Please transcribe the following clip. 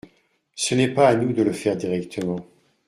Ce n’est pas à nous de le faire directement.